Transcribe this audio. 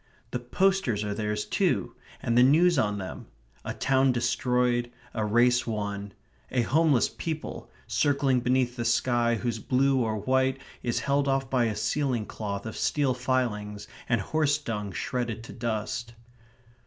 The posters are theirs too; and the news on them. A town destroyed; a race won. A homeless people, circling beneath the sky whose blue or white is held off by a ceiling cloth of steel filings and horse dung shredded to dust.